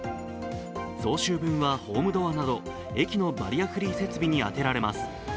増収分はホームドアなど駅のバリアフリー設備に充てられます。